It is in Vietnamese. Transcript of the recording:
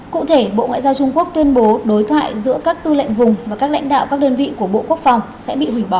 cụ thể bộ ngoại giao trung quốc tuyên bố đối thoại giữa các tư lệnh vùng và các lãnh đạo các đơn vị của bộ quốc phòng sẽ bị hủy bỏ